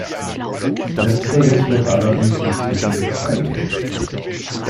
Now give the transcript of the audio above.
Letzteres wird allerdings inzwischen bezweifelt.